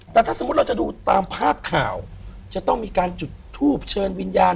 แต่ถ้าสมมุติเราจะดูตามภาพข่าวจะต้องมีการจุดทูบเชิญวิญญาณ